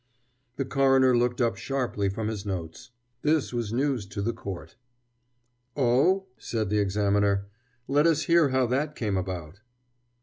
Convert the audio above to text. The coroner looked up sharply from his notes. This was news to the court. "Oh?" said the examiner. "Let us hear how that came about."